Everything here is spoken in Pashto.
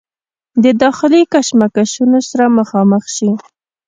د داخلي کشمکشونو سره مخامخ شي